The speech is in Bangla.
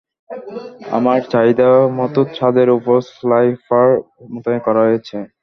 আমার চাহিদামতো ছাদের উপর স্নাইপার মোতায়েন করা হয়েছে?